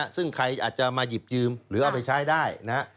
ซึ่งใครอาจจะมาหยิบยืมหรือเอาไปใช้ได้นะฮะ